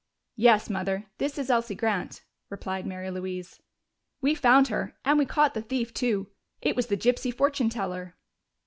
"Yes, Mother, this is Elsie Grant," replied Mary Louise. "We found her, and we caught the thief too. It was the gypsy fortune teller."